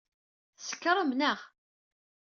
Tsekṛem neɣ?